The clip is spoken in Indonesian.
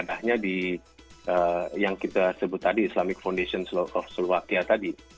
ibadahnya di yang kita sebut tadi islamic foundation law of slovakia tadi